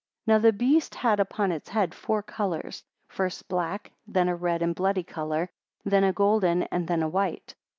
13 Now the beast had upon its head four colours; first black, then a red and bloody colour, then a golden, and then a white.